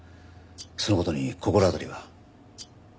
その事に心当たりは？